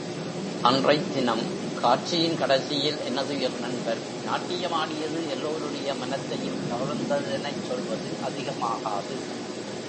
அன்றைத் தினம் காட்சியின் கடைசியில் எனதுயிர் நண்பர் நாட்டியம் ஆடியது எல்லோருடைய மனத்தையும் கவர்ந்ததெனச் சொல்வது அதிகமாகாது.